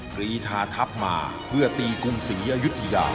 กรีธาทัพมาเพื่อตีกรุงศรีอยุธยา